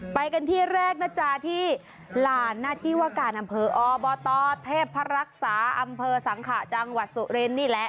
ไปกันที่แรกนะจ๊ะที่หลานหน้าที่ว่าการอำเภออบตเทพรักษาอำเภอสังขะจังหวัดสุรินนี่แหละ